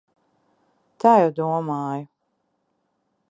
Tā jau domāju.